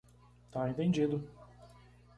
Tá entendido.